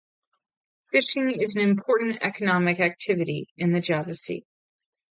Fishing is an important economic activity in the Java Sea.